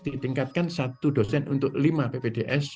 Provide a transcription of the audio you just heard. ditingkatkan satu dosen untuk lima ppds